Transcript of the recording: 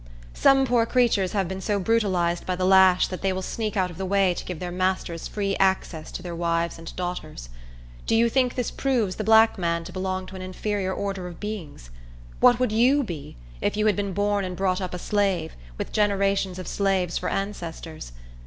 Some poor creatures have been so brutalized by the lash that they will sneak out of the way to give their masters free access to their wives and daughters. Do you think this proves the black man to belong to an inferior order of beings? What would you be, if you had been born and brought up a slave, with generations of slaves for ancestors?